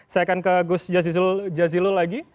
saya akan ke gus jazilul lagi